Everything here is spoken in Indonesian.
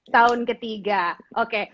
tahun ke tiga oke